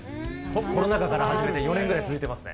コロナ禍から始めて４年ぐらい続けてますね。